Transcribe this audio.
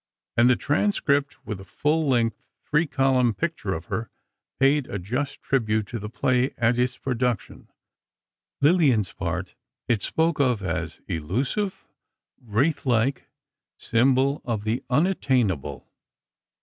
And the Transcript, with a full length three column picture of her, paid a just tribute to the play and its production. Lillian's part it spoke of as "elusive, wraith like, symbol of the unattainable.